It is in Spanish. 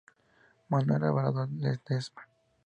Manuel Alvarado Ledesma.